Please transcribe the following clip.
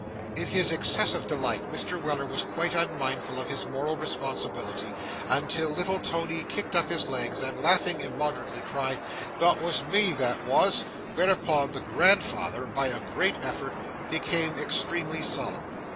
In his excessive delight, Mr. Weller was quite unmindful of his moral responsibility, until little Tony kicked up his legs, and laughing immoderately, cried, 'That was me, that was;' whereupon the grandfather, by a great effort, became extremely solemn.